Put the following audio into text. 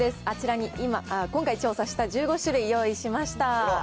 あちらに今回、調査した１５種類用意しました。